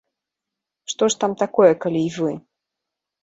Што ж там такое, калі й вы.